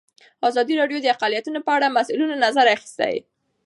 ازادي راډیو د اقلیتونه په اړه د مسؤلینو نظرونه اخیستي.